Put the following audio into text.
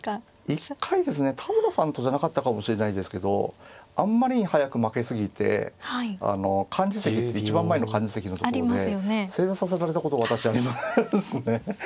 一回ですね田村さんとじゃなかったかもしれないですけどあんまりに速く負けすぎて幹事席って一番前の幹事席のところで正座させられたこと私ありますね。